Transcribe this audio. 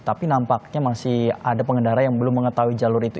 tapi nampaknya masih ada pengendara yang belum mengetahui jalur itu